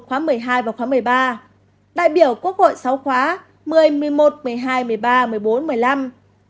khóa một mươi hai và khóa một mươi ba đại biểu quốc hội sáu khóa một mươi một mươi một một mươi hai một mươi ba một mươi bốn một mươi năm